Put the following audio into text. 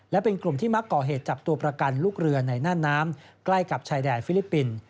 และเป็นกลุ่มที่มักก่อเหตุจับตัวประกันลูกเรือในน่านน้ำใกล้กับชายแดนฟิลิปปินส์